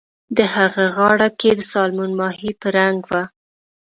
د هغه غاړه کۍ د سالمون ماهي په رنګ وه